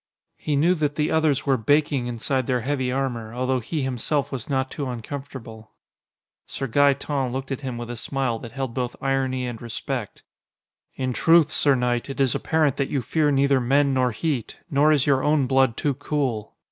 He knew that the others were baking inside their heavy armor, although he himself was not too uncomfortable. Sir Gaeton looked at him with a smile that held both irony and respect. "In truth, sir knight, it is apparent that you fear neither men nor heat. Nor is your own blood too cool.